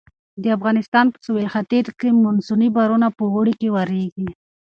د افغانستان په سویل ختیځ کې مونسوني بارانونه په اوړي کې ورېږي.